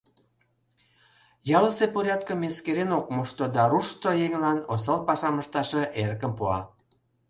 Ялысе порядкым эскерен ок мошто да руштшо еҥлан осал пашам ышташыже эрыкым пуа.